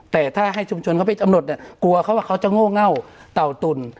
แต่ถ้าให้ชุมชนเขาไปกำหนดเนี่ยกลัวเขาว่าเขาจะโง่เง่าเต่าตุ่น